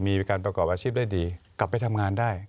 มีการประกอบอาชีพได้ดีกลับไปทำงานได้